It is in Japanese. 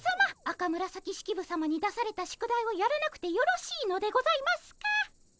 赤紫式部さまに出された宿題をやらなくてよろしいのでございますか？